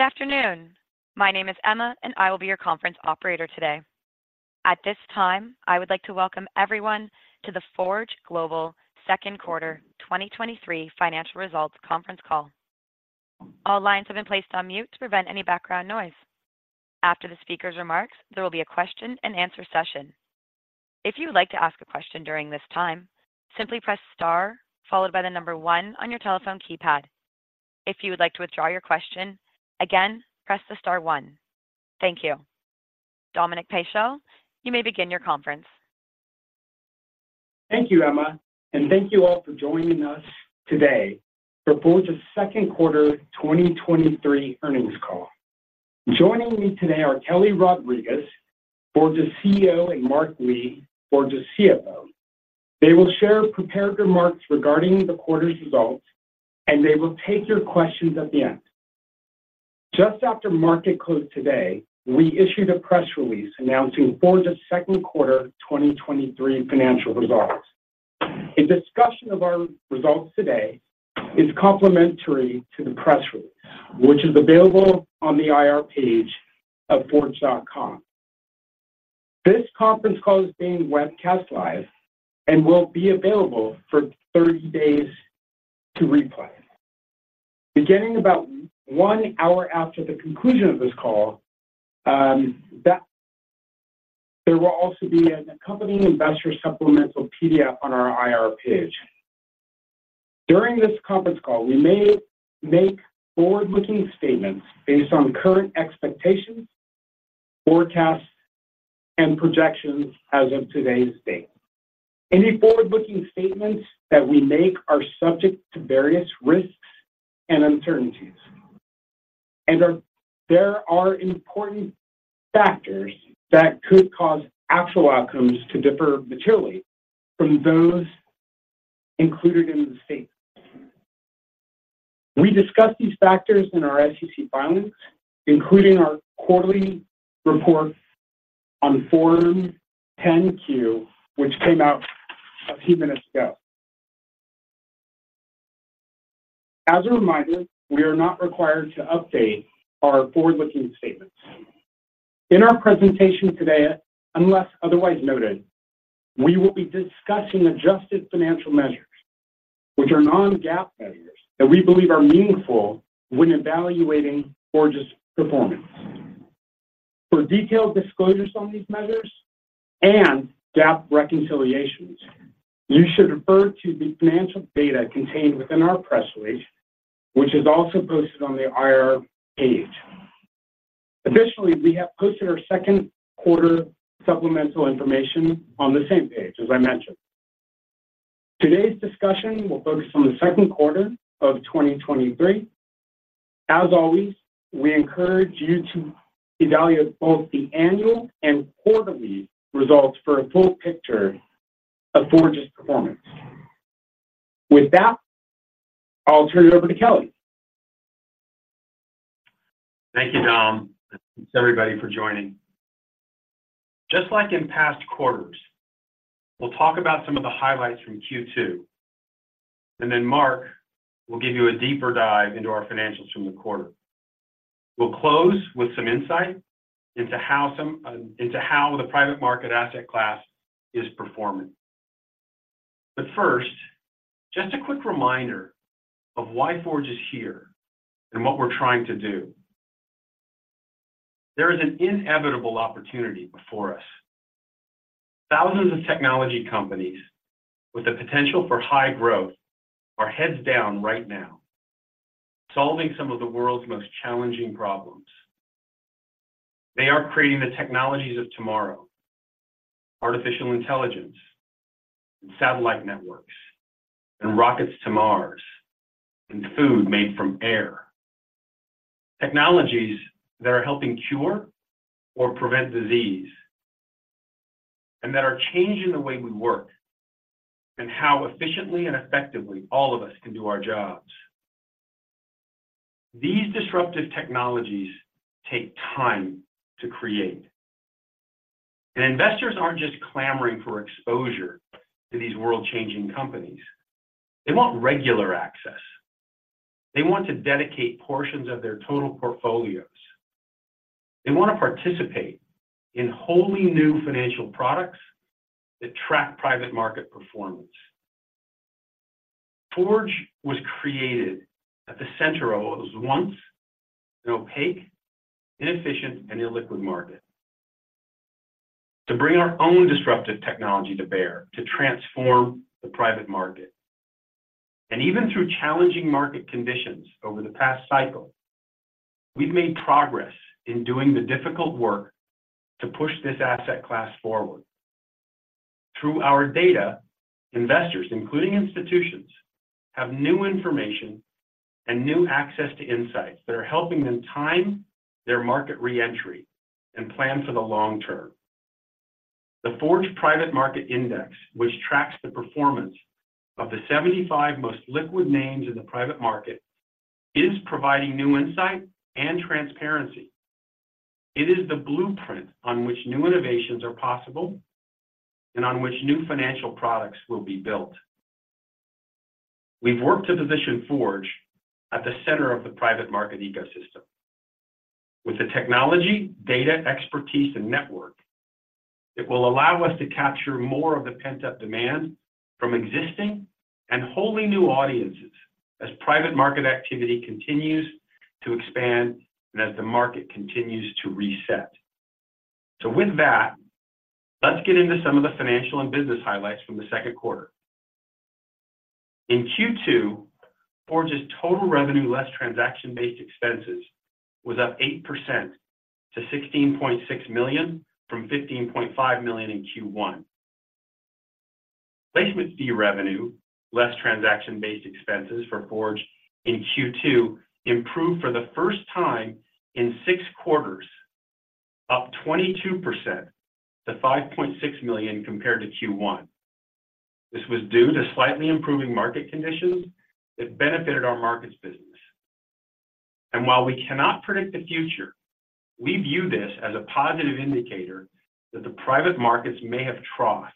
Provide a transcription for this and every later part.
Good afternoon. My name is Emma, and I will be your conference operator today. At this time, I would like to welcome everyone to the Forge Global Second Quarter 2023 Financial Results Conference Call. All lines have been placed on mute to prevent any background noise. After the speaker's remarks, there will be a question and answer session. If you would like to ask a question during this time, simply press Star followed by the number one on your telephone keypad. If you would like to withdraw your question, again, press the star one. Thank you. Dominic Paschel, you may begin your conference. Thank you, Emma, and thank you all for joining us today for Forge's second quarter 2023 earnings call. Joining me today are Kelly Rodriques, Forge's CEO, and Mark Lee, Forge's CFO. They will share prepared remarks regarding the quarter's results, and they will take your questions at the end. Just after market close today, we issued a press release announcing Forge's second quarter 2023 financial results. A discussion of our results today is complementary to the press release, which is available on the IR page of forge.com. This conference call is being webcast live and will be available for 30 days to replay. Beginning about 1 hour after the conclusion of this call, there will also be an accompanying investor supplemental PDF on our IR page. During this conference call, we may make forward-looking statements based on current expectations, forecasts, and projections as of today's date. Any forward-looking statements that we make are subject to various risks and uncertainties, and there are important factors that could cause actual outcomes to differ materially from those included in the statement. We discussed these factors in our SEC filings, including our quarterly report on Form 10-Q, which came out a few minutes ago. As a reminder, we are not required to update our forward-looking statements. In our presentation today, unless otherwise noted, we will be discussing adjusted financial measures, which are non-GAAP measures that we believe are meaningful when evaluating Forge's performance. For detailed disclosures on these measures and GAAP reconciliations, you should refer to the financial data contained within our press release, which is also posted on the IR page. Additionally, we have posted our second-quarter supplemental information on the same page, as I mentioned. Today's discussion will focus on the second quarter of 2023. As always, we encourage you to evaluate both the annual and quarterly results for a full picture of Forge's performance. With that, I'll turn it over to Kelly. Thank you, Dom. Thanks, everybody, for joining. Just like in past quarters, we'll talk about some of the highlights from Q2, and then Mark will give you a deeper dive into our financials from the quarter. We'll close with some insight into how the private market asset class is performing. But first, just a quick reminder of why Forge is here and what we're trying to do. There is an inevitable opportunity before us. Thousands of technology companies with the potential for high growth are heads down right now, solving some of the world's most challenging problems. They are creating the technologies of tomorrow: artificial intelligence, satellite networks, and rockets to Mars, and food made from air. Technologies that are helping cure or prevent disease, and that are changing the way we work and how efficiently and effectively all of us can do our jobs. These disruptive technologies take time to create, and investors aren't just clamoring for exposure to these world-changing companies. They want regular access. They want to dedicate portions of their total portfolios. They want to participate in wholly new financial products that track private market performance. Forge was created at the center of what was once an opaque, inefficient, and illiquid market to bring our own disruptive technology to bear, to transform the private market. And even through challenging market conditions over the past cycle, we've made progress in doing the difficult work to push this asset class forward. Through our data, investors, including institutions, have new information and new access to insights that are helping them time their market re-entry and plan for the long term. The Forge Private Market Index, which tracks the performance of the 75 most liquid names in the private market, is providing new insight and transparency. It is the blueprint on which new innovations are possible and on which new financial products will be built.... We've worked to position Forge at the center of the private market ecosystem. With the technology, data, expertise, and network, it will allow us to capture more of the pent-up demand from existing and wholly new audiences as private market activity continues to expand and as the market continues to reset. So with that, let's get into some of the financial and business highlights from the second quarter. In Q2, Forge's total revenue, less transaction-based expenses, was up 8% to $16.6 million from $15.5 million in Q1. Placement fee revenue, less transaction-based expenses for Forge in Q2, improved for the first time in six quarters, up 22% to $5.6 million compared to Q1. This was due to slightly improving market conditions that benefited our markets business. While we cannot predict the future, we view this as a positive indicator that the private markets may have troughs.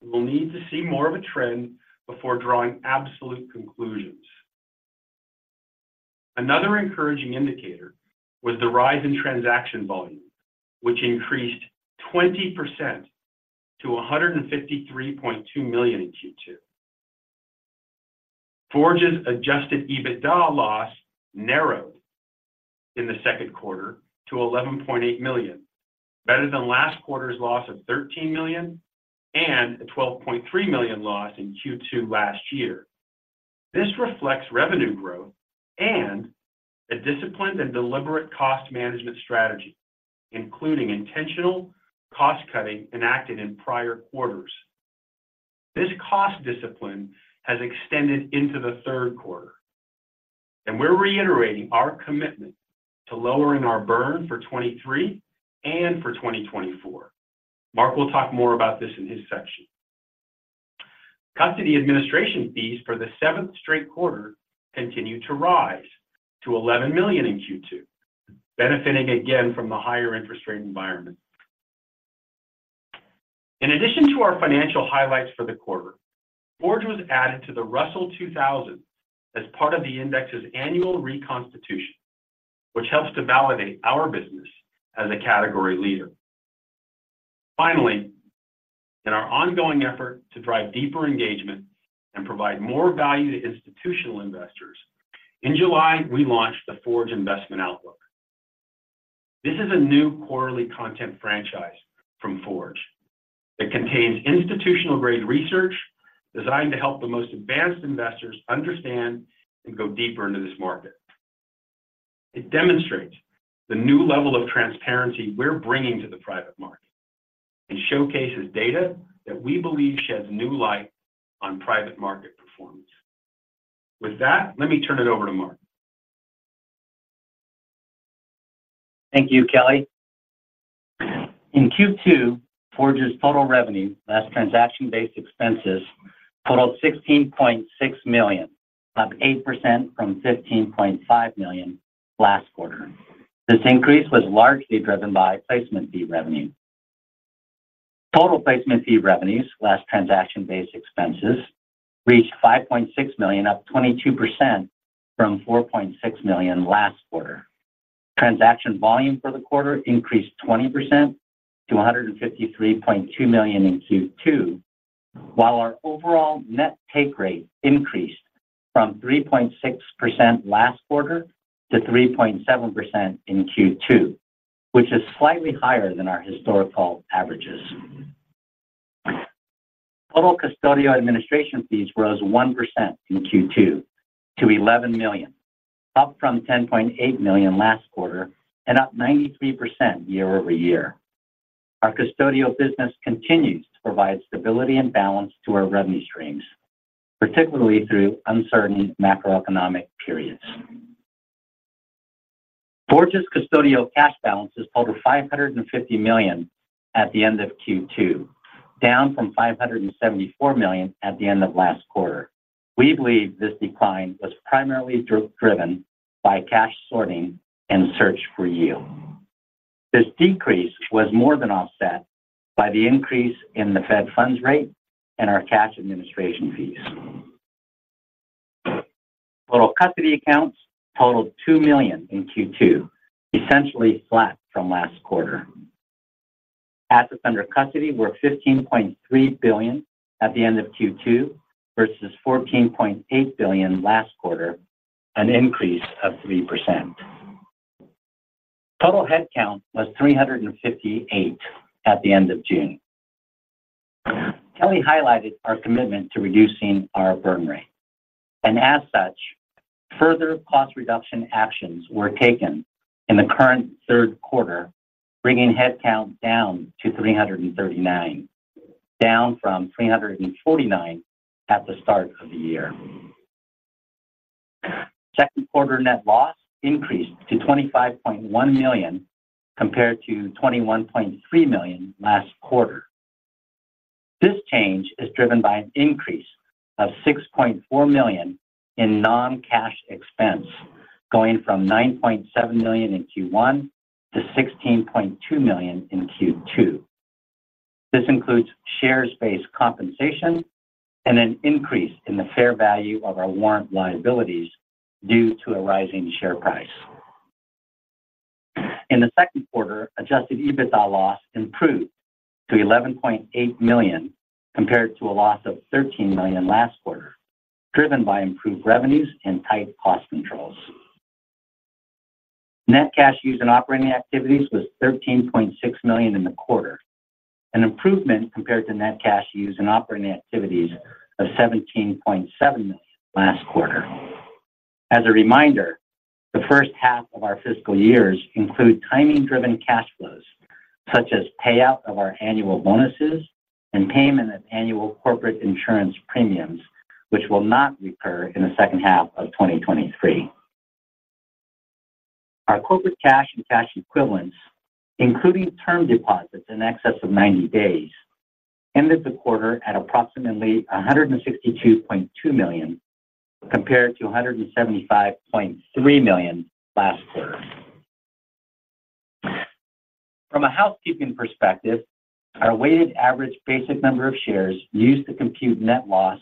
We'll need to see more of a trend before drawing absolute conclusions. Another encouraging indicator was the rise in transaction volume, which increased 20% to $153.2 million in Q2. Forge's Adjusted EBITDA loss narrowed in the second quarter to $11.8 million, better than last quarter's loss of $13 million and a $12.3 million loss in Q2 last year. This reflects revenue growth and a disciplined and deliberate cost management strategy, including intentional cost-cutting enacted in prior quarters. This cost discipline has extended into the third quarter, and we're reiterating our commitment to lowering our burn for 2023 and for 2024. Mark will talk more about this in his section. Custody administration fees for the seventh straight quarter continued to rise to $11 million in Q2, benefiting again from the higher interest rate environment. In addition to our financial highlights for the quarter, Forge was added to the Russell 2000 as part of the index's annual reconstitution, which helps to validate our business as a category leader. Finally, in our ongoing effort to drive deeper engagement and provide more value to institutional investors, in July, we launched the Forge Investment Outlook. This is a new quarterly content franchise from Forge. It contains institutional-grade research designed to help the most advanced investors understand and go deeper into this market. It demonstrates the new level of transparency we're bringing to the private market and showcases data that we believe sheds new light on private market performance. With that, let me turn it over to Mark. Thank you, Kelly. In Q2, Forge's total revenue, less transaction-based expenses, totaled $16.6 million, up 8% from $15.5 million last quarter. This increase was largely driven by placement fee revenue. Total placement fee revenues, less transaction-based expenses, reached $5.6 million, up 22% from $4.6 million last quarter. Transaction volume for the quarter increased 20% to $153.2 million in Q2, while our overall net take rate increased from 3.6% last quarter to 3.7% in Q2, which is slightly higher than our historical averages. Total custodial administration fees rose 1% in Q2 to $11 million, up from $10.8 million last quarter and up 93% year-over-year. Our custodial business continues to provide stability and balance to our revenue streams, particularly through uncertain macroeconomic periods. Forge's custodial cash balances totaled $550 million at the end of Q2, down from $574 million at the end of last quarter. We believe this decline was primarily driven by cash sorting and search for yield. This decrease was more than offset by the increase in the Fed funds rate and our cash administration fees. Total custody accounts totaled 2 million in Q2, essentially flat from last quarter. Assets under custody were $15.3 billion at the end of Q2 versus $14.8 billion last quarter, an increase of 3%. Total headcount was 358 at the end of June. Kelly highlighted our commitment to reducing our burn rate, and as such, further cost reduction actions were taken in the current third quarter, bringing headcount down to 339, down from 349 at the start of the year. Second quarter net loss increased to $25.1 million compared to $21.3 million last quarter. This change is driven by an increase of $6.4 million in non-cash expense, going from $9.7 million in Q1 to $16.2 million in Q2. This includes share-based compensation and an increase in the fair value of our warrant liabilities due to a rising share price. In the second quarter, Adjusted EBITDA loss improved to $11.8 million, compared to a loss of $13 million last quarter, driven by improved revenues and tight cost controls. Net cash used in operating activities was $13.6 million in the quarter, an improvement compared to net cash used in operating activities of $17.7 million last quarter. As a reminder, the first half of our fiscal years include timing-driven cash flows, such as payout of our annual bonuses and payment of annual corporate insurance premiums, which will not recur in the second half of 2023. Our corporate cash and cash equivalents, including term deposits in excess of 90 days, ended the quarter at approximately $162.2 million, compared to $175.3 million last quarter. From a housekeeping perspective, our weighted average basic number of shares used to compute net loss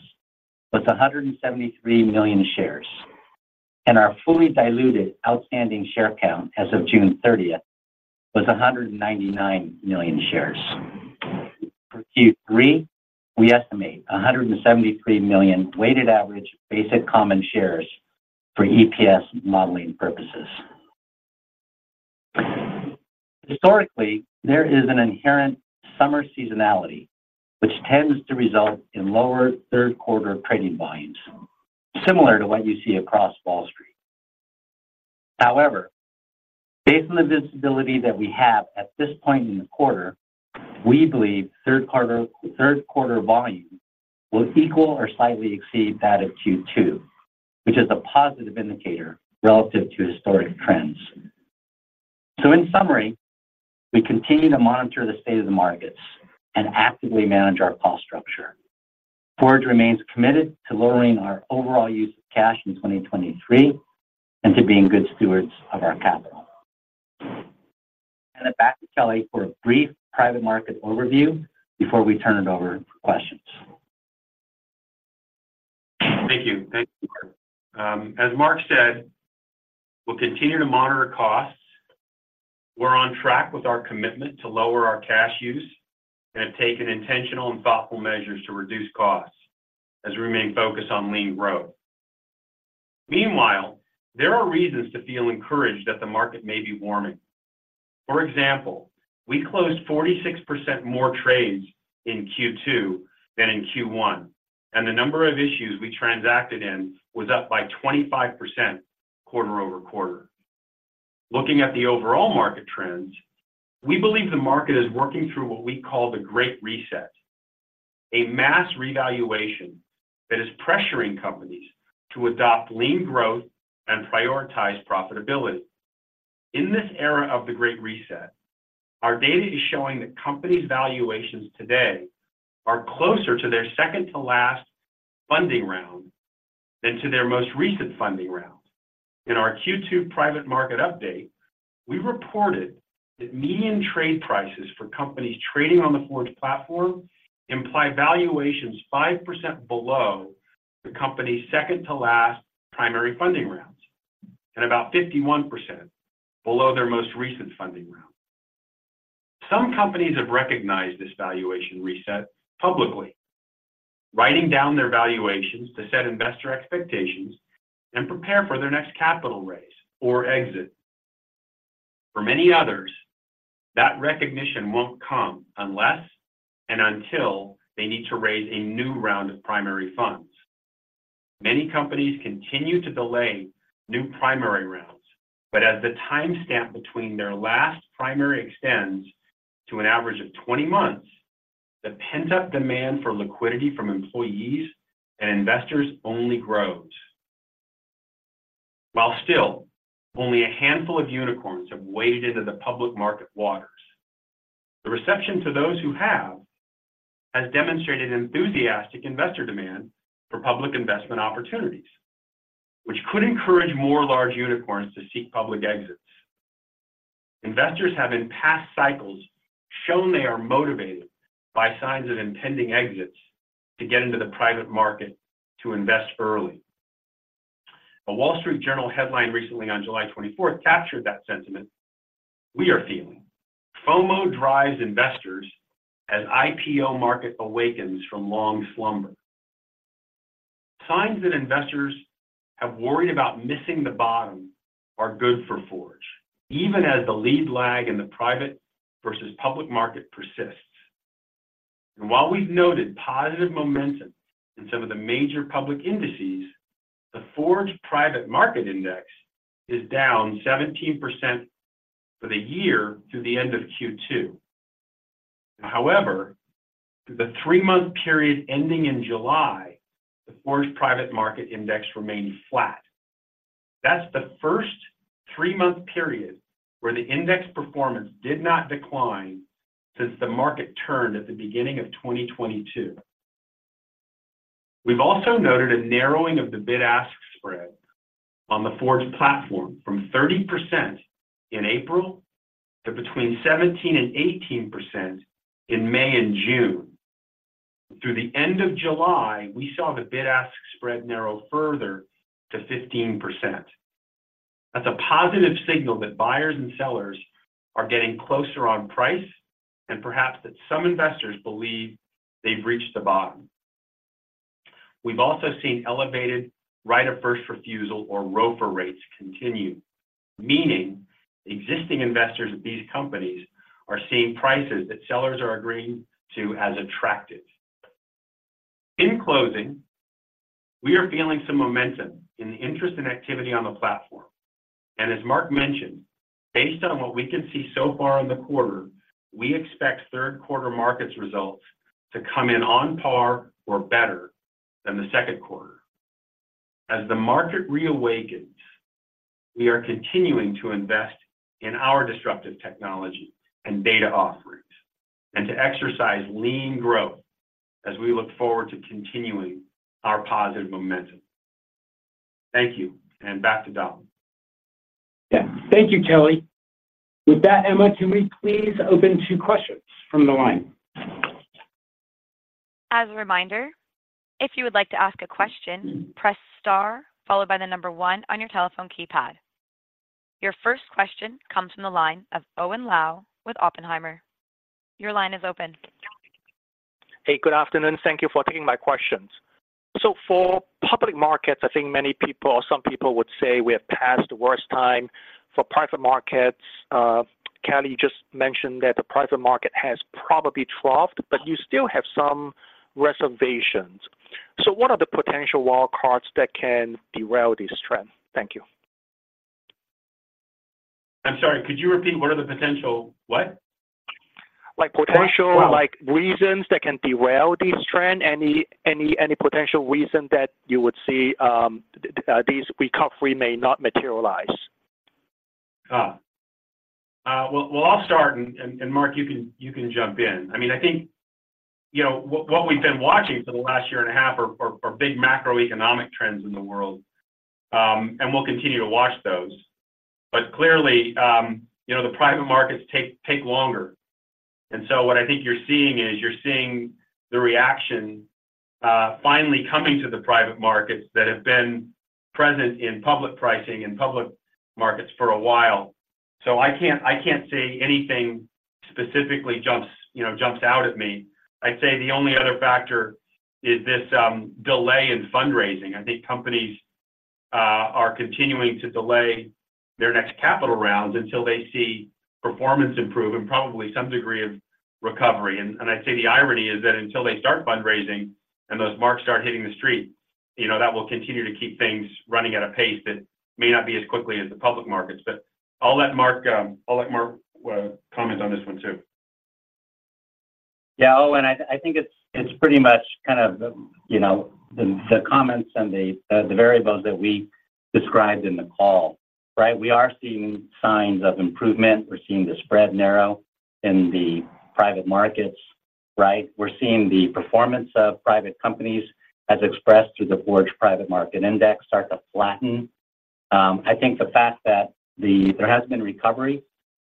was 173 million shares, and our fully diluted outstanding share count as of June 30th was 199 million shares. For Q3, we estimate 173 million weighted average basic common shares for EPS modeling purposes. Historically, there is an inherent summer seasonality, which tends to result in lower third quarter trading volumes, similar to what you see across Wall Street. However, based on the visibility that we have at this point in the quarter, we believe third quarter, third quarter volume will equal or slightly exceed that of Q2, which is a positive indicator relative to historic trends. In summary, we continue to monitor the state of the markets and actively manage our cost structure. Forge remains committed to lowering our overall use of cash in 2023 and to being good stewards of our capital. Now back to Kelly for a brief private market overview before we turn it over for questions. Thank you. Thank you, Mark. As Mark said, we'll continue to monitor costs. We're on track with our commitment to lower our cash use and have taken intentional and thoughtful measures to reduce costs as we remain focused on lean growth. Meanwhile, there are reasons to feel encouraged that the market may be warming. For example, we closed 46% more trades in Q2 than in Q1, and the number of issues we transacted in was up by 25% quarter-over-quarter. Looking at the overall market trends, we believe the market is working through what we call the Great Reset, a mass revaluation that is pressuring companies to adopt lean growth and prioritize profitability. In this era of the Great Reset, our data is showing that companies' valuations today are closer to their second to last funding round than to their most recent funding round. In our Q2 private market update, we reported that median trade prices for companies trading on the Forge platform imply valuations 5% below the company's second to last primary funding rounds, and about 51% below their most recent funding round. Some companies have recognized this valuation reset publicly, writing down their valuations to set investor expectations and prepare for their next capital raise or exit. For many others, that recognition won't come unless and until they need to raise a new round of primary funds. Many companies continue to delay new primary rounds, but as the timestamp between their last primary extends to an average of 20 months, the pent-up demand for liquidity from employees and investors only grows. While still, only a handful of unicorns have waded into the public market waters. The reception to those who have, has demonstrated enthusiastic investor demand for public investment opportunities, which could encourage more large unicorns to seek public exits. Investors have, in past cycles, shown they are motivated by signs of impending exits to get into the private market to invest early. A Wall Street Journal headline recently on July 24th captured that sentiment we are feeling. "FOMO Drives Investors as IPO Market Awakens From Long Slumber." Signs that investors have worried about missing the bottom are good for Forge, even as the lead lag in the private versus public market persists. While we've noted positive momentum in some of the major public indices, the Forge Private Market Index is down 17% for the year through the end of Q2. However, through the three-month period ending in July, the Forge Private Market Index remained flat. That's the first three-month period where the index performance did not decline since the market turned at the beginning of 2022.... We've also noted a narrowing of the bid-ask spread on the Forge platform from 30% in April to between 17% and 18% in May and June. Through the end of July, we saw the bid-ask spread narrow further to 15%. That's a positive signal that buyers and sellers are getting closer on price, and perhaps that some investors believe they've reached the bottom. We've also seen elevated right of first refusal or ROFR rates continue, meaning existing investors of these companies are seeing prices that sellers are agreeing to as attractive. In closing, we are feeling some momentum in the interest and activity on the platform, and as Mark mentioned, based on what we can see so far in the quarter, we expect third quarter markets results to come in on par or better than the second quarter. As the market reawakens, we are continuing to invest in our disruptive technology and data offerings and to exercise lean growth as we look forward to continuing our positive momentum. Thank you, and back to Dom. Yeah. Thank you, Kelly. With that, Emma, can we please open to questions from the line? As a reminder, if you would like to ask a question, press star followed by the number one on your telephone keypad. Your first question comes from the line of Owen Lau with Oppenheimer. Your line is open. Hey, good afternoon. Thank you for taking my questions. So for public markets, I think many people or some people would say we have passed the worst time for private markets. Kelly, you just mentioned that the private market has probably troughed, but you still have some reservations. So what are the potential wild cards that can derail this trend? Thank you. I'm sorry, could you repeat? What are the potential what? Like, potential- like, reasons that can derail this trend? Any, any, any potential reason that you would see, this recovery may not materialize? Well, I'll start, and Mark, you can jump in. I mean, I think, you know, what we've been watching for the last year and a half are big macroeconomic trends in the world, and we'll continue to watch those. But clearly, you know, the private markets take longer, and so what I think you're seeing is the reaction finally coming to the private markets that have been present in public pricing and public markets for a while. So I can't say anything specifically jumps, you know, jumps out at me. I'd say the only other factor is this delay in fundraising. I think companies are continuing to delay their next capital rounds until they see performance improve and probably some degree of recovery. I'd say the irony is that until they start fundraising and those marks start hitting the street, you know, that will continue to keep things running at a pace that may not be as quickly as the public markets. But I'll let Mark comment on this one too. Yeah, Owen, I think it's pretty much kind of, you know, the comments and the variables that we described in the call, right? We are seeing signs of improvement. We're seeing the spread narrow in the private markets, right? We're seeing the performance of private companies as expressed through the Forge Private Market Index start to flatten. I think the fact that there has been recovery,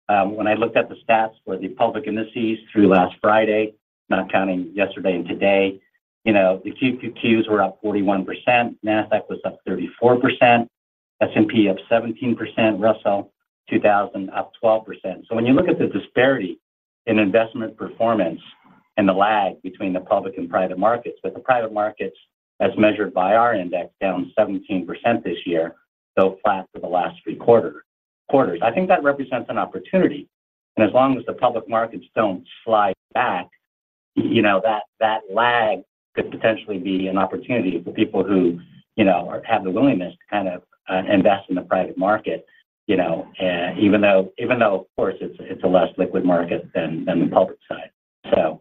when I looked at the stats for the public indices through last Friday, not counting yesterday and today, you know, the QQQs were up 41%, Nasdaq was up 34%, S&P up 17%, Russell 2000 up 12%. So when you look at the disparity in investment performance and the lag between the public and private markets, with the private markets as measured by our index, down 17% this year, so flat for the last three quarters, I think that represents an opportunity. And as long as the public markets don't slide back, you know, that, that lag could potentially be an opportunity for people who, you know, have the willingness to kind of invest in the private market, you know, even though, even though, of course, it's a less liquid market than the public side. So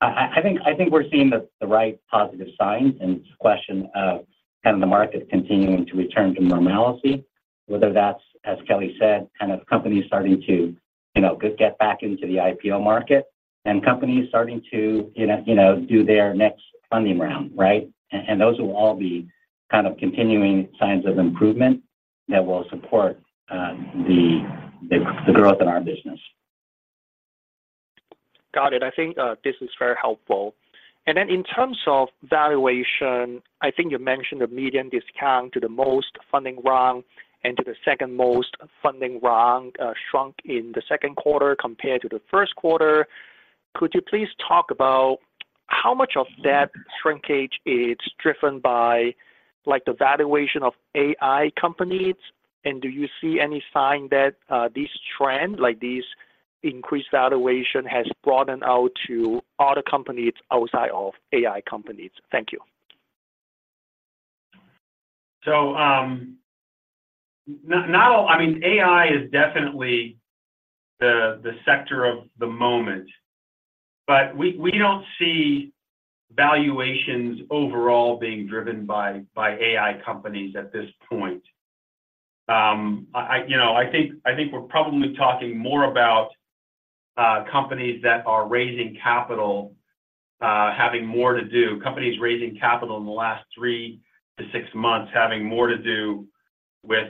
I think we're seeing the right positive signs, and it's a question of kind of the market continuing to return to normalcy, whether that's, as Kelly said, kind of companies starting to, you know, get back into the IPO market and companies starting to, you know, do their next funding round, right? And those will all be kind of continuing signs of improvement that will support the growth in our business. Got it. I think this is very helpful. And then in terms of valuation, I think you mentioned the median discount to the most recent funding round and to the second most recent funding round shrunk in the second quarter compared to the first quarter. Could you please talk about how much of that shrinkage is driven by, like, the valuation of AI companies, and do you see any sign that this trend, like this increased valuation, has broadened out to other companies outside of AI companies? Thank you. So, I mean, AI is definitely the sector of the moment, but we don't see valuations overall being driven by AI companies at this point. You know, I think we're probably talking more about companies that are raising capital having more to do, companies raising capital in the last 3-6 months, having more to do with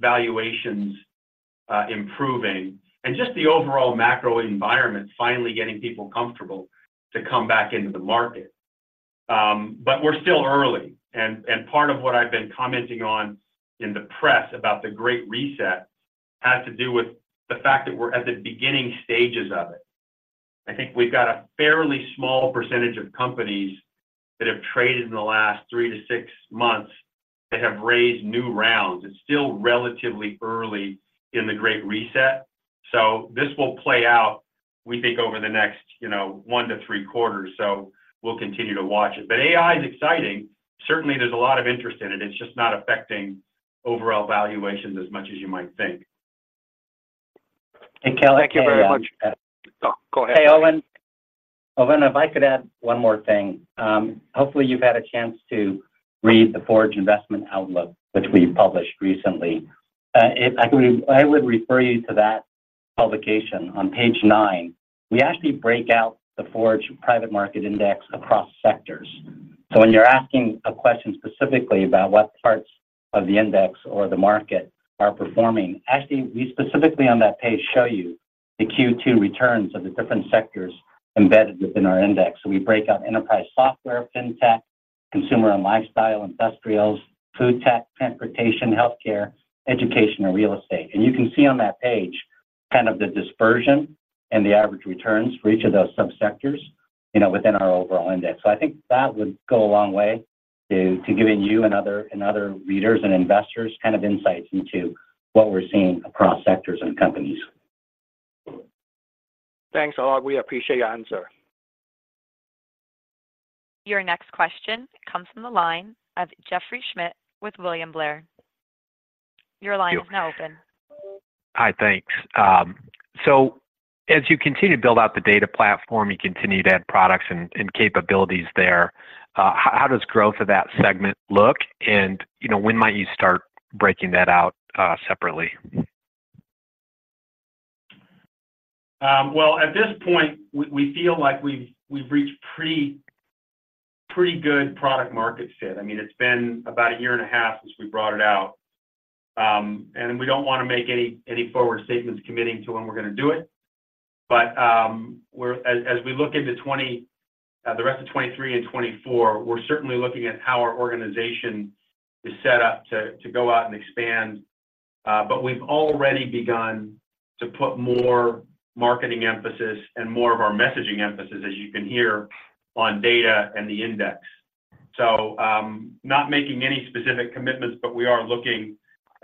valuations improving, and just the overall macro environment, finally getting people comfortable to come back into the market. But we're still early, and part of what I've been commenting on in the press about the Great Reset has to do with the fact that we're at the beginning stages of it. I think we've got a fairly small percentage of companies that have traded in the last three to six months that have raised new rounds. It's still relatively early in the Great Reset, so this will play out, we think, over the next, you know, one to three quarters, so we'll continue to watch it. But AI is exciting. Certainly, there's a lot of interest in it. It's just not affecting overall valuations as much as you might think. And Kelly. Thank you very much. Go ahead. Hey, Owen. Owen, if I could add one more thing. Hopefully, you've had a chance to read the Forge Investment Outlook, which we published recently. I would refer you to that publication. On page nine, we actually break out the Forge Private Market Index across sectors. So when you're asking a question specifically about what parts of the index or the market are performing, actually, we specifically on that page show you the Q2 returns of the different sectors embedded within our index. So we break out enterprise software, Fintech, consumer and lifestyle, industrials, food tech, transportation, healthcare, education, and real estate. And you can see on that page kind of the dispersion and the average returns for each of those subsectors, you know, within our overall index. So I think that would go a long way to giving you and other readers and investors kind of insights into what we're seeing across sectors and companies. Thanks a lot. We appreciate your answer. Your next question comes from the line of Jeffrey Schmitt with William Blair. Your line is now open. Hi, thanks. So as you continue to build out the data platform, you continue to add products and capabilities there, how does growth of that segment look? And, you know, when might you start breaking that out separately? Well, at this point, we feel like we've reached pretty good product market fit. I mean, it's been about a year and a half since we brought it out. And we don't want to make any forward statements committing to when we're going to do it, but as we look into the rest of 2023 and 2024, we're certainly looking at how our organization is set up to go out and expand, but we've already begun to put more marketing emphasis and more of our messaging emphasis, as you can hear, on data and the index. So, not making any specific commitments, but we are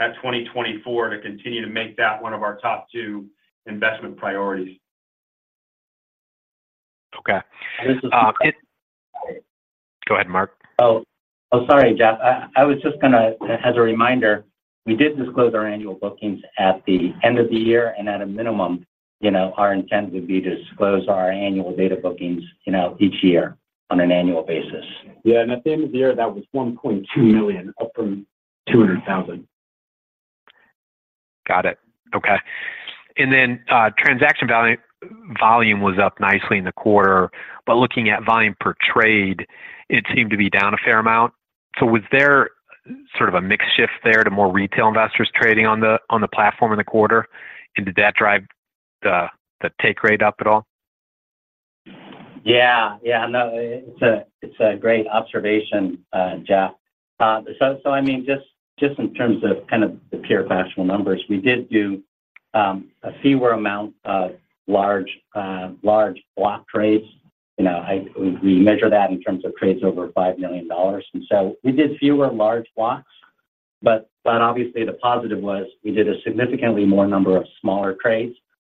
looking at 2024 to continue to make that one of our top two investment priorities. Okay. This is- Go ahead, Mark. Oh, sorry, Jeff. I was just gonna, as a reminder, we did disclose our annual bookings at the end of the year, and at a minimum, you know, our intent would be to disclose our annual data bookings, you know, each year on an annual basis. Yeah, and at the end of the year, that was $1.2 million, up from $200,000. Got it. Okay. And then, transaction volume was up nicely in the quarter, but looking at volume per trade, it seemed to be down a fair amount. So was there sort of a mix shift there to more retail investors trading on the, on the platform in the quarter? And did that drive the, the take rate up at all? Yeah. Yeah, no, it's a great observation, Jeff. So, I mean, just in terms of kind of the pure factual numbers, we did do a fewer amount of large large block trades. You know, we measure that in terms of trades over $5 million, and so we did fewer large blocks, but obviously the positive was we did a significantly more number of smaller trades,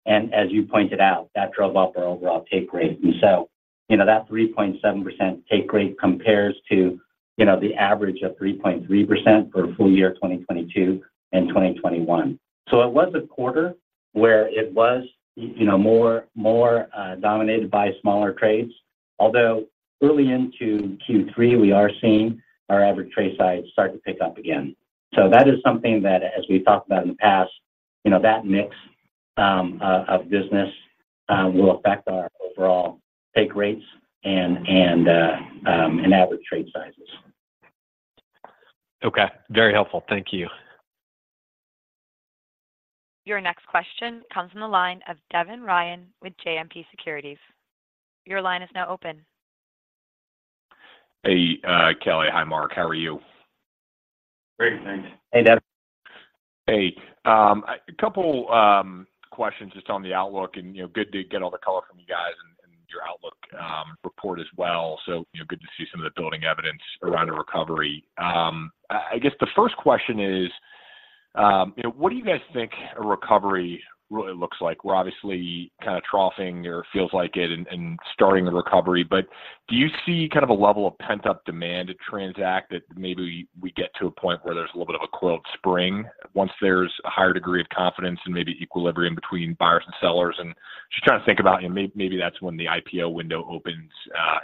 and as you pointed out, that drove up our overall take rate. And so, you know, that 3.7% take rate compares to, you know, the average of 3.3% for full year 2022 and 2021. So it was a quarter where it was, you know, more dominated by smaller trades. Although early into Q3, we are seeing our average trade size start to pick up again. So that is something that, as we've talked about in the past, you know, that mix of business will affect our overall take rates and average trade sizes. Okay. Very helpful. Thank you. Your next question comes from the line of Devin Ryan with JMP Securities. Your line is now open. Hey, Kelly. Hi, Mark, how are you? Great, thanks. Hey, Devin. Hey, a couple questions just on the outlook and, you know, good to get all the color from you guys and your outlook report as well. So, you know, good to see some of the building evidence around the recovery. I guess the first question is, you know, what do you guys think a recovery really looks like? We're obviously kind of troughing, or it feels like it, and starting the recovery, but do you see kind of a level of pent-up demand to transact that maybe we get to a point where there's a little bit of a quote, "spring," once there's a higher degree of confidence and maybe equilibrium between buyers and sellers? And just trying to think about, you know, maybe that's when the IPO window opens,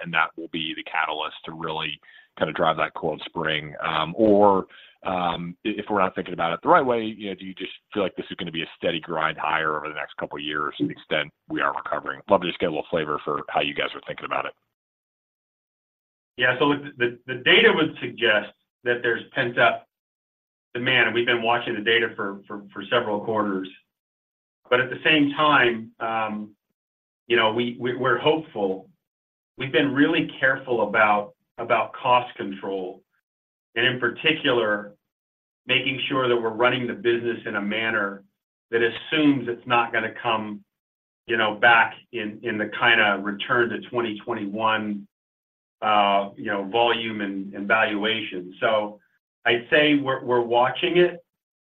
and that will be the catalyst to really kind of drive that cold spring? Or, if we're not thinking about it the right way, you know, do you just feel like this is going to be a steady grind higher over the next couple of years to the extent we are recovering? Love to just get a little flavor for how you guys are thinking about it. Yeah. So the data would suggest that there's pent-up demand, and we've been watching the data for several quarters. But at the same time, you know, we're hopeful. We've been really careful about cost control, and in particular, making sure that we're running the business in a manner that assumes it's not gonna come, you know, back in the kind of return to 2021, you know, volume and valuation. So I'd say we're watching it.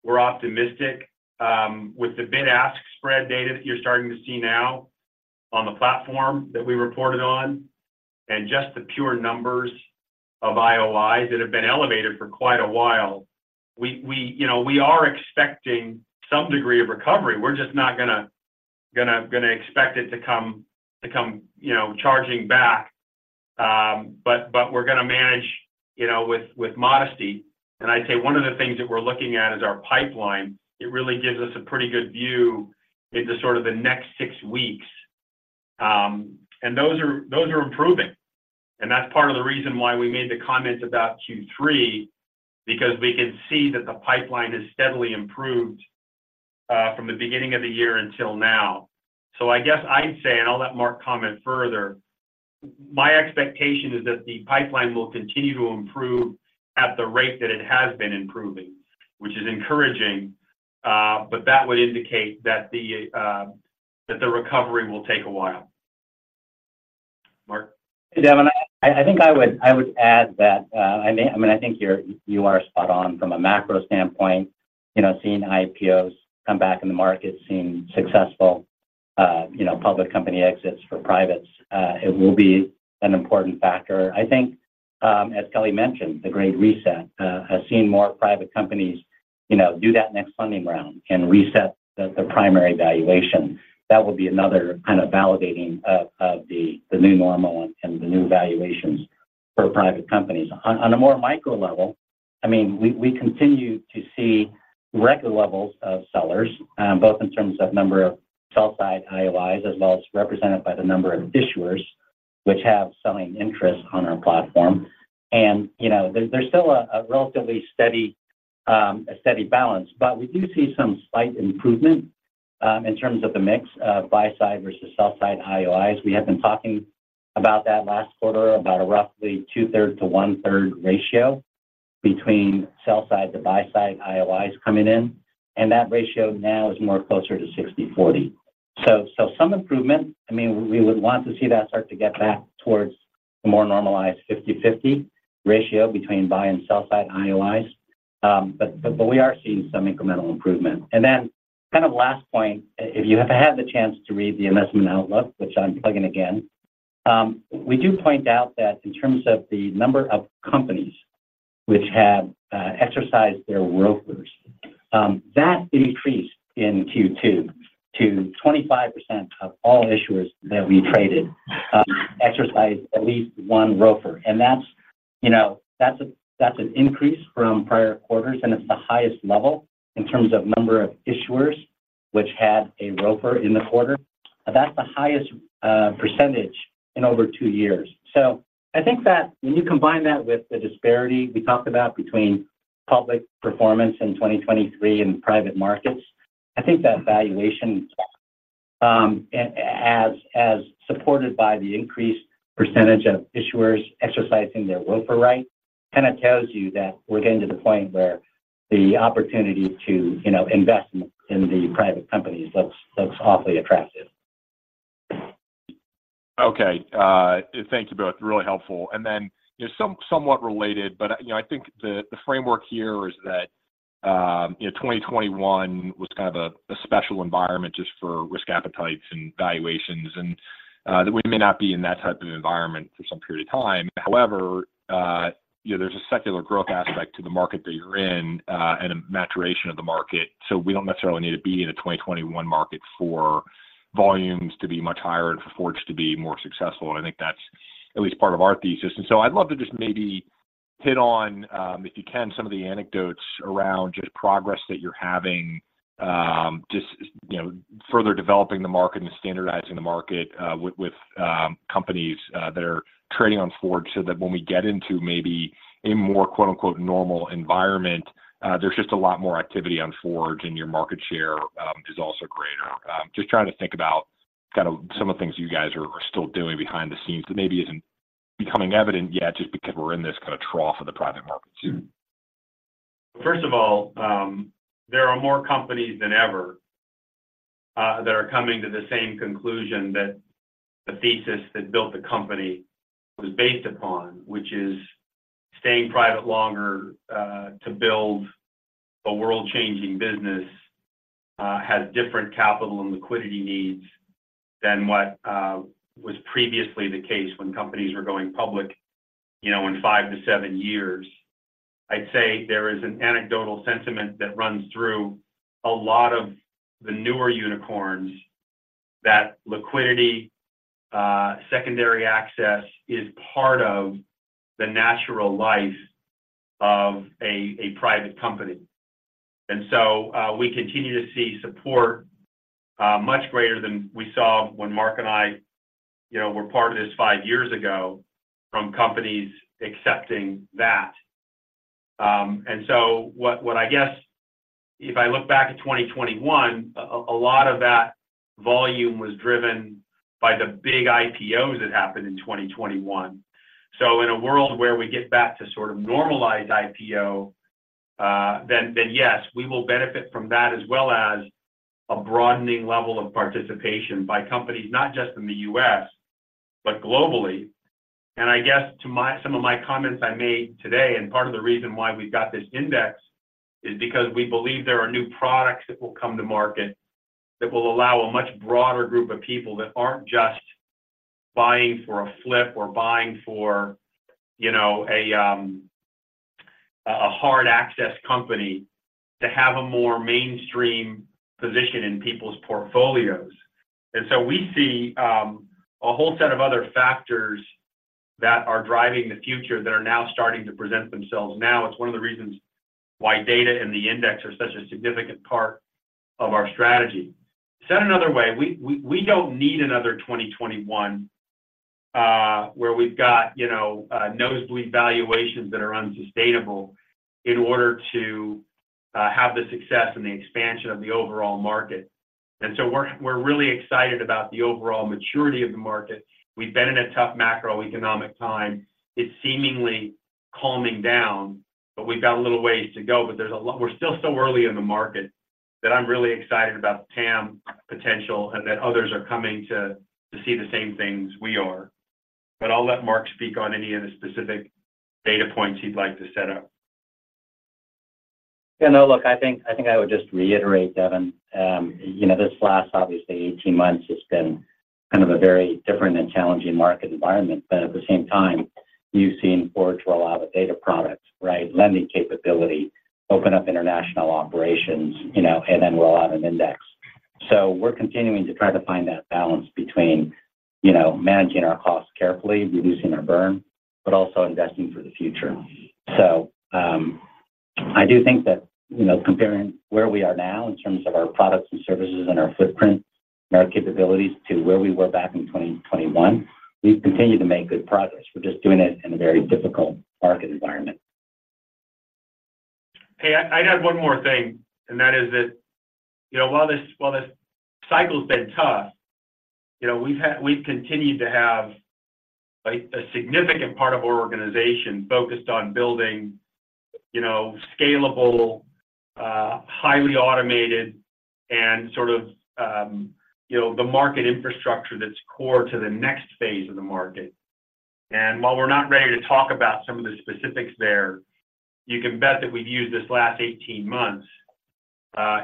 We're optimistic. With the bid-ask spread data that you're starting to see now on the platform that we reported on, and just the pure numbers of IOIs that have been elevated for quite a while, you know, we are expecting some degree of recovery. We're just not gonna expect it to come, you know, charging back. But we're gonna manage, you know, with modesty. And I'd say one of the things that we're looking at is our pipeline. It really gives us a pretty good view into sort of the next six weeks. And those are improving, and that's part of the reason why we made the comments about Q3, because we can see that the pipeline has steadily improved from the beginning of the year until now. So I guess I'd say, and I'll let Mark comment further, my expectation is that the pipeline will continue to improve at the rate that it has been improving, which is encouraging, but that would indicate that the recovery will take a while. Mark? Devin, I think I would add that. I mean, I think you are spot on from a macro standpoint. You know, seeing IPOs come back in the market, seeing successful, you know, public company exits for privates, it will be an important factor. I think, as Kelly mentioned, the Great Reset has seen more private companies, you know, do that next funding round and reset the primary valuation. That will be another kind of validating of the new normal and the new valuations for private companies. On a more micro level, I mean, we continue to see record levels of sellers, both in terms of number of sell-side IOIs, as well as represented by the number of issuers which have selling interest on our platform. And, you know, there's still a relatively steady balance, but we do see some slight improvement in terms of the mix of buy-side versus sell-side IOIs. We have been talking about that last quarter, about a roughly 2/3 to 1/3 ratio between sell-side to buy-side IOIs coming in, and that ratio now is more closer to 60/40. So some improvement. I mean, we would want to see that start to get back towards a more normalized 50/50 ratio between buy and sell-side IOIs. But we are seeing some incremental improvement. And then kind of last point, if you have had the chance to read the Investment Outlook, which I'm plugging again, we do point out that in terms of the number of companies which have exercised their ROFRs, that increased in Q2 to 25% of all issuers that we traded exercised at least one ROFR. And that's, you know, that's a-- that's an increase from prior quarters, and it's the highest level in terms of number of issuers which had a ROFR in the quarter. That's the highest percentage in over two years. So I think that when you combine that with the disparity we talked about between public performance in 2023 and private markets, I think that valuation, as supported by the increased percentage of issuers exercising their ROFR rights, kind of tells you that we're getting to the point where the opportunity to, you know, invest in the private companies looks awfully attractive. Okay. Thank you both. Really helpful. And then, you know, somewhat related, but, you know, I think the framework here is that, you know, 2021 was kind of a special environment just for risk appetites and valuations, and that we may not be in that type of environment for some period of time. However, you know, there's a secular growth aspect to the market that you're in, and a maturation of the market. So we don't necessarily need to be in a 2021 market for volumes to be much higher and for Forge to be more successful, and I think that's at least part of our thesis. And so I'd love to just maybe hit on, if you can, some of the anecdotes around just progress that you're having, just, you know, further developing the market and standardizing the market, with companies that are trading on Forge, so that when we get into maybe a more, quote-unquote, "normal environment," there's just a lot more activity on Forge, and your market share is also greater. Just trying to think about kind of some of the things you guys are still doing behind the scenes that maybe isn't becoming evident yet, just because we're in this kind of trough of the private markets. First of all, there are more companies than ever that are coming to the same conclusion that the thesis that built the company was based upon, which is staying private longer to build a world-changing business has different capital and liquidity needs than what was previously the case when companies were going public, you know, in five to seven years. I'd say there is an anecdotal sentiment that runs through a lot of the newer unicorns that liquidity secondary access is part of the natural life of a private company. And so, we continue to see support much greater than we saw when Mark and I, you know, were part of this five years ago, from companies accepting that. So what I guess if I look back at 2021, a lot of that volume was driven by the big IPOs that happened in 2021. So in a world where we get back to sort of normalized IPO, then yes, we will benefit from that, as well as a broadening level of participation by companies, not just in the U.S., but globally. And I guess to some of my comments I made today, and part of the reason why we've got this index, is because we believe there are new products that will come to market that will allow a much broader group of people that aren't just buying for a flip or buying for, you know, a hard access company to have a more mainstream position in people's portfolios. We see a whole set of other factors that are driving the future, that are now starting to present themselves now. It's one of the reasons why data and the index are such a significant part of our strategy. Said another way, we don't need another 2021, where we've got, you know, nosebleed valuations that are unsustainable in order to have the success and the expansion of the overall market. We're really excited about the overall maturity of the market. We've been in a tough macroeconomic time. It's seemingly calming down, but we've got a little ways to go, but there's a lot. We're still so early in the market that I'm really excited about the TAM potential and that others are coming to see the same thing as we are. But I'll let Mark speak on any of the specific data points he'd like to set up. Yeah, no, look, I think, I think I would just reiterate, Devin. You know, this last, obviously, 18 months has been kind of a very different and challenging market environment. But at the same time, you've seen Forge roll out a data product, right? Lending capability, open up international operations, you know, and then roll out an index. So we're continuing to try to find that balance between, you know, managing our costs carefully, reducing our burn, but also investing for the future. So, I do think that, you know, comparing where we are now in terms of our products and services and our footprint and our capabilities to where we were back in 2021, we've continued to make good progress. We're just doing it in a very difficult market environment. Hey, I'd add one more thing, and that is that, you know, while this cycle's been tough, you know, we've had, we've continued to have a significant part of our organization focused on building, you know, scalable, highly automated and sort of, you know, the market infrastructure that's core to the next phase of the market. And while we're not ready to talk about some of the specifics there, you can bet that we've used this last 18 months,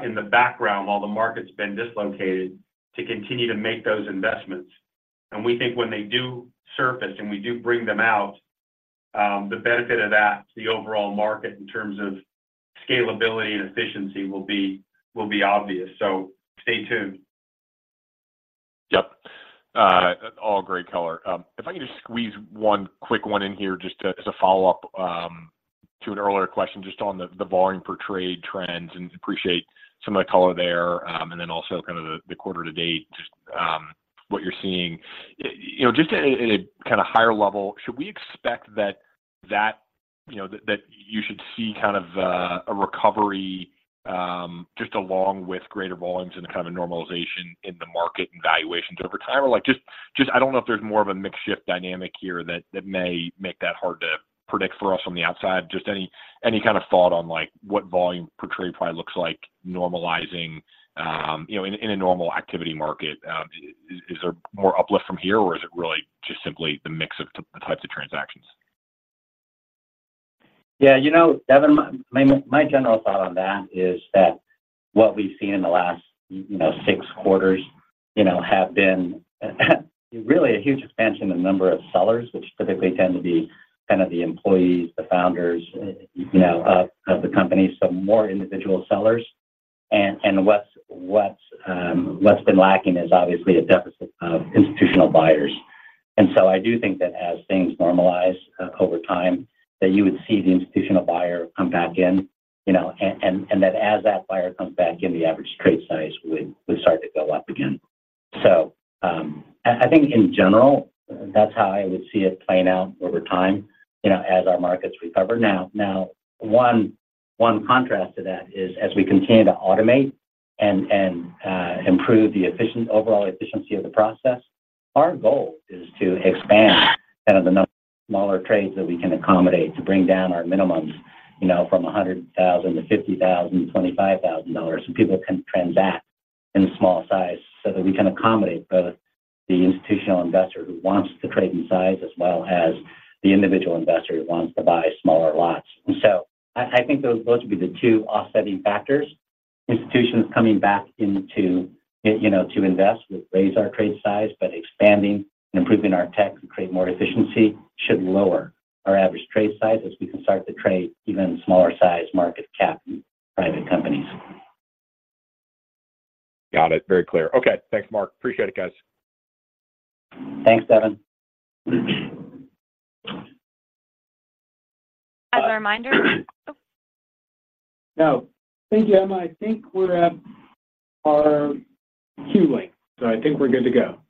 in the background, while the market's been dislocated, to continue to make those investments. And we think when they do surface, and we do bring them out, the benefit of that to the overall market in terms of scalability and efficiency will be obvious. So stay tuned. Yep. All great color. If I can just squeeze one quick one in here, just to—as a follow-up to an earlier question, just on the volume per trade trends, and appreciate some of the color there. And then also kind of the quarter to date, just what you're seeing. You know, just at a kind of higher level, should we expect that you know that you should see kind of a recovery just along with greater volumes and a kind of normalization in the market and valuations over time? Or like, just I don't know if there's more of a mixed shift dynamic here that may make that hard to predict for us on the outside. Just any kind of thought on, like, what volume per trade probably looks like normalizing, you know, in a normal activity market. Is there more uplift from here, or is it really just simply the mix of the types of transactions? Yeah, you know, Devin, my general thought on that is that what we've seen in the last, you know, six quarters, you know, have been really a huge expansion in the number of sellers, which typically tend to be kind of the employees, the founders, you know, of the company. So more individual sellers. And what's been lacking is obviously a deficit of institutional buyers. And so I do think that as things normalize over time, that you would see the institutional buyer come back in, you know, and that as that buyer comes back in, the average trade size would start to go up again. So I think in general, that's how I would see it playing out over time, you know, as our markets recover. Now, one contrast to that is as we continue to automate and improve the overall efficiency of the process, our goal is to expand kind of the number of smaller trades that we can accommodate, to bring down our minimums, you know, from $100,000 to $50,000, $25,000, so people can transact in small size. So that we can accommodate both the institutional investor who wants to trade in size, as well as the individual investor who wants to buy smaller lots. And so I think those would be the two offsetting factors. Institutions coming back into, you know, to invest would raise our trade size, but expanding and improving our tech to create more efficiency should lower our average trade size as we can start to trade even smaller size market cap private companies. Got it. Very clear. Okay. Thanks, Mark. Appreciate it, guys. Thanks, Devin. As a reminder- No. Thank you, Emma. I think we're at our queue length, so I think we're good to go.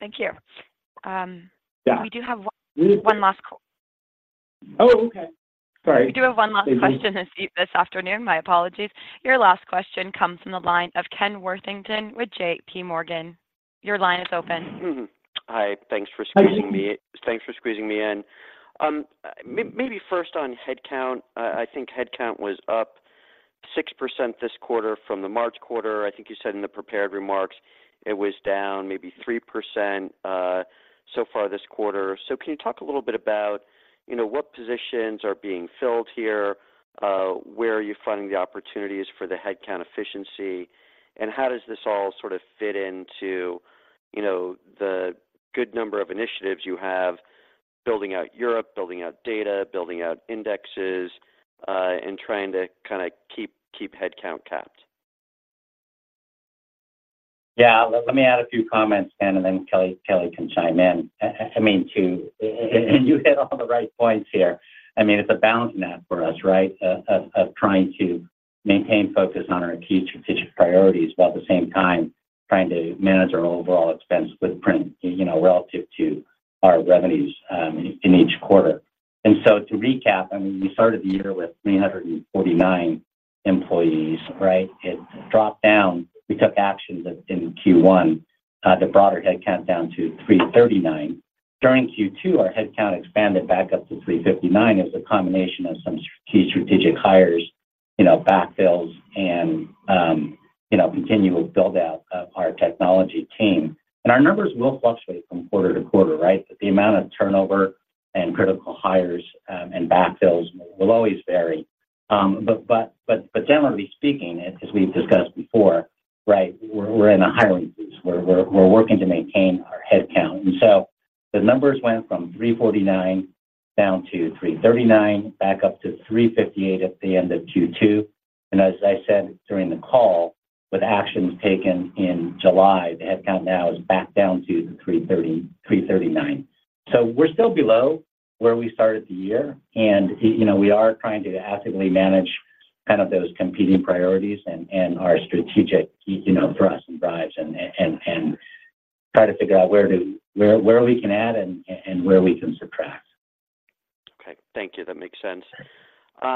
Thank you. Yeah. We do have one last call. Oh, okay. Sorry. We do have one last question this afternoon. My apologies. Your last question comes from the line of Ken Worthington with JPMorgan. Your line is open. Mm-hmm. Hi. Thanks for squeezing me—thanks for squeezing me in. Maybe first on headcount, I think headcount was up 6% this quarter from the March quarter. I think you said in the prepared remarks it was down maybe 3%, so far this quarter. So can you talk a little bit about, you know, what positions are being filled here? Where are you finding the opportunities for the headcount efficiency, and how does this all sort of fit into, you know, the good number of initiatives you have, building out Europe, building out data, building out indexes, and trying to kinda keep, keep headcount capped? Yeah, let me add a few comments, Ken, and then Kelly, Kelly can chime in. I mean, and you hit all the right points here. I mean, it's a balancing act for us, right, of trying to maintain focus on our key strategic priorities, while at the same time trying to manage our overall expense footprint, you know, relative to our revenues, in each quarter. And so to recap, I mean, we started the year with 349 employees, right? It dropped down. We took actions in Q1 to brought our headcount down to 339. During Q2, our headcount expanded back up to 359 as a combination of some strategic hires, you know, backfills and, you know, continual build-out of our technology team. And our numbers will fluctuate from quarter to quarter, right? But the amount of turnover and critical hires and backfills will always vary. But generally speaking, as we've discussed before, right, we're in a hiring freeze, where we're working to maintain our headcount. And so the numbers went from 349 down to 339, back up to 358 at the end of Q2. And as I said during the call, with actions taken in July, the headcount now is back down to 339. So we're still below where we started the year, and you know, we are trying to actively manage kind of those competing priorities and our strategic, you know, thrust and drives and try to figure out where we can add and where we can subtract. Okay. Thank you. That makes sense.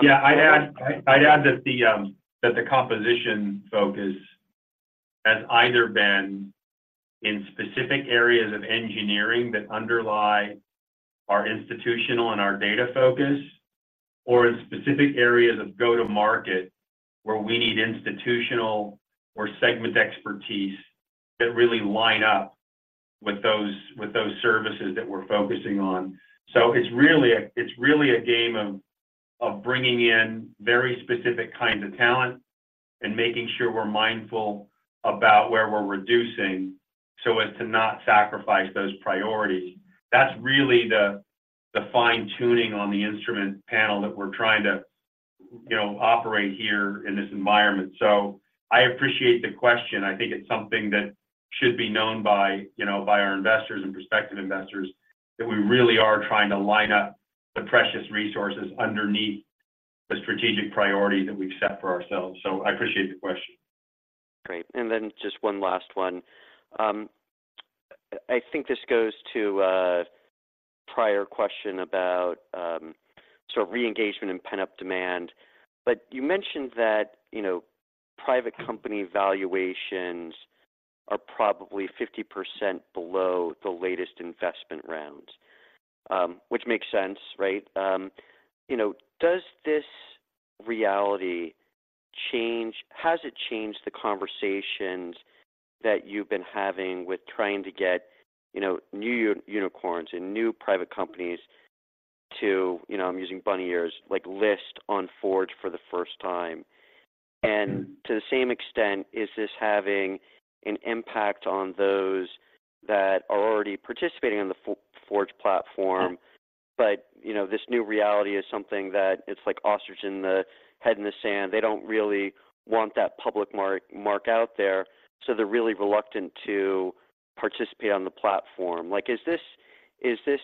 Yeah, I'd add, I'd add that the composition focus has either been in specific areas of engineering that underlie our institutional and our data focus, or in specific areas of go-to-market, where we need institutional or segment expertise that really line up with those, with those services that we're focusing on. So it's really it's really a game of bringing in very specific kinds of talent and making sure we're mindful about where we're reducing so as to not sacrifice those priorities. That's really the fine-tuning on the instrument panel that we're trying to, you know, operate here in this environment. So I appreciate the question. I think it's something that should be known by, you know, by our investors and prospective investors, that we really are trying to line up the precious resources underneath the strategic priorities that we've set for ourselves. I appreciate the question. Great. Then just one last one. I think this goes to a prior question about so reengagement and pent-up demand. But you mentioned that, you know, private company valuations are probably 50% below the latest investment rounds, which makes sense, right? You know, does this reality change? Has it changed the conversations that you've been having with trying to get, you know, new unicorns and new private companies to, you know, I'm using bunny ears, like, list on Forge for the first time? And to the same extent, is this having an impact on those that are already participating on the Forge platform, but, you know, this new reality is something that it's like ostrich in the head in the sand. They don't really want that public mark out there, so they're really reluctant to participate on the platform. Like, is this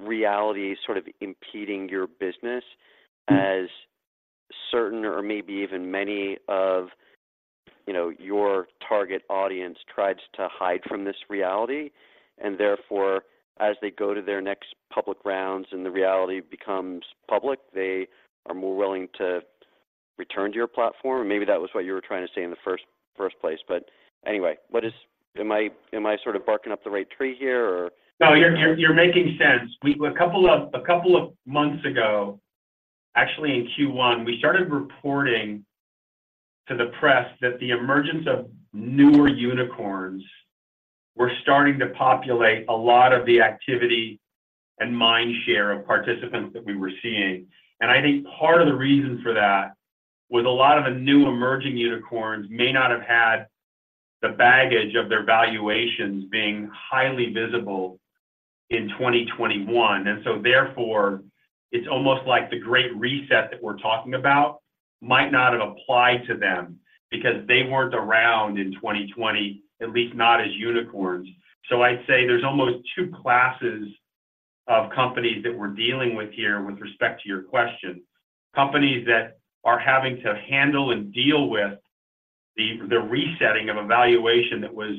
reality sort of impeding your business as certain or maybe even many of, you know, your target audience tries to hide from this reality, and therefore, as they go to their next public rounds and the reality becomes public, they are more willing to return to your platform? Maybe that was what you were trying to say in the first place. But anyway, what is, am I sort of barking up the right tree here or? No, you're making sense. We. A couple of months ago, actually in Q1, we started reporting to the press that the emergence of newer unicorns were starting to populate a lot of the activity and mind share of participants that we were seeing. And I think part of the reason for that, with a lot of the new emerging unicorns, may not have had the baggage of their valuations being highly visible in 2021. And so therefore, it's almost like the Great Reset that we're talking about might not have applied to them because they weren't around in 2020, at least not as unicorns. So I'd say there's almost two classes of companies that we're dealing with here with respect to your question. Companies that are having to handle and deal with the resetting of a valuation that was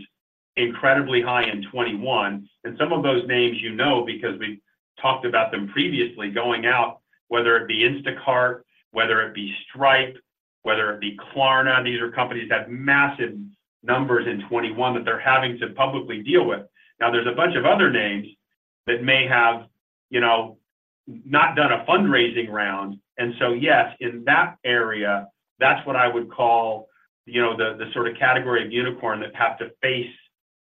incredibly high in 2021, and some of those names you know, because we've talked about them previously going out, whether it be Instacart, whether it be Stripe, whether it be Klarna, these are companies that have massive numbers in 2021 that they're having to publicly deal with. Now, there's a bunch of other names that may have, you know, not done a fundraising round, and so, yes, in that area, that's what I would call, you know, the sort of category of unicorn that have to face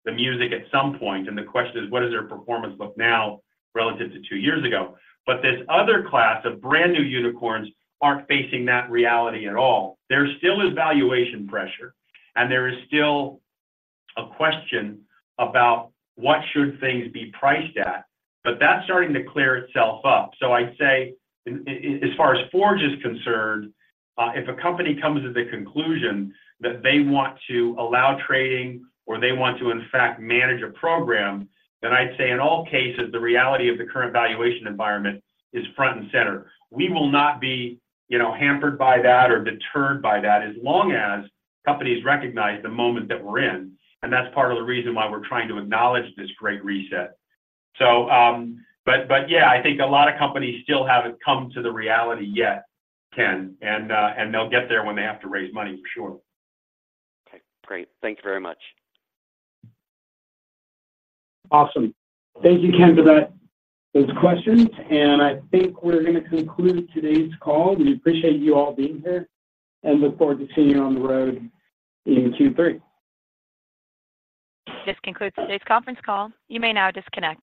the music at some point. The question is, what does their performance look now relative to two years ago? This other class of brand new unicorns aren't facing that reality at all. There still is valuation pressure, and there is still a question about what should things be priced at, but that's starting to clear itself up. So I'd say, as far as Forge is concerned, if a company comes to the conclusion that they want to allow trading or they want to, in fact, manage a program, then I'd say in all cases, the reality of the current valuation environment is front and center. We will not be, you know, hampered by that or deterred by that as long as companies recognize the moment that we're in, and that's part of the reason why we're trying to acknowledge this Great Reset. So, but, but yeah, I think a lot of companies still haven't come to the reality yet, Ken, and they'll get there when they have to raise money, for sure. Okay, great. Thank you very much. Awesome. Thank you, Ken, for that, those questions. I think we're going to conclude today's call. We appreciate you all being here and look forward to seeing you on the road in Q3. This concludes today's conference call. You may now disconnect.